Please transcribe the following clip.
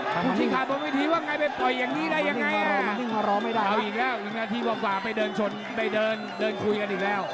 กู้ชิะบาวอีกแล้ว๑นาทีบีบากลงไปเดินทนคุยกันอีกแล้ว